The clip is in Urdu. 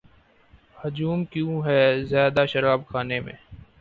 ہجوم کیوں ہے زیادہ شراب خانے میں